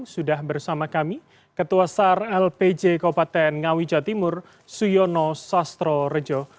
sudah bersama kami ketua sar lpj kepaten ngawija timur suyono sastro rejo